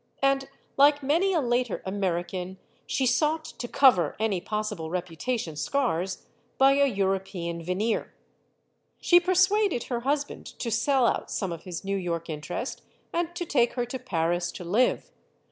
And, like many a later American, she sought to cover any possi ble reputation scars by a European veneer. She per suaded her husband to sell out some of his New York interest and to take her to Paris to live.